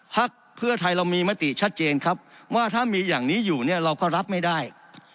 พักเพื่อไทยเรามีมติชัดเจนครับว่าถ้ามีอย่างนี้อยู่เนี่ยเราก็รับไม่ได้